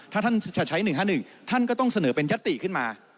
ถ้าท่านจะใช้๑๕๑ท่านก็ต้องเสนอเป็นยติขึ้นมา